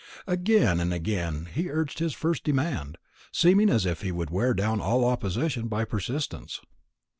"Again and again he urged his first demand, seeming as if he would wear down all opposition by persistence.